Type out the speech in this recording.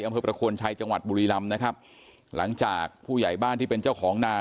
อำเภอประโคนชัยจังหวัดบุรีรำนะครับหลังจากผู้ใหญ่บ้านที่เป็นเจ้าของนา